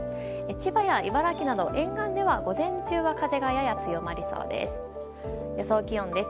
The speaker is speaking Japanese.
千葉や茨城など沿岸では午前中は風がやや強まりそうです。